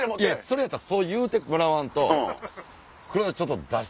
それやったらそう言うてもらわんと。